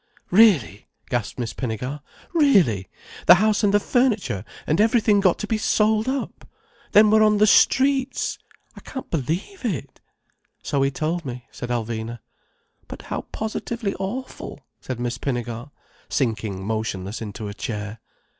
"Really!" gasped Miss Pinnegar. "Really! The house and the furniture and everything got to be sold up? Then we're on the streets! I can't believe it." "So he told me," said Alvina. "But how positively awful," said Miss Pinnegar, sinking motionless into a chair.